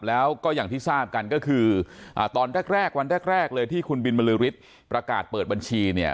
แล้วก็อย่างที่ทราบกันก็คือตอนแรกวันแรกเลยที่คุณบินบรือฤทธิ์ประกาศเปิดบัญชีเนี่ย